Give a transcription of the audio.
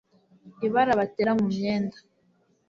ibara batera mu myenda